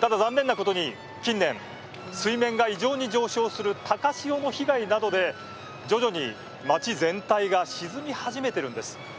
ただ、残念なことに近年水面が異常に上昇する高潮の被害などで徐々に街全体が沈み始めているんです。